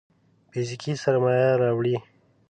فزيکي سرمايه راوړي.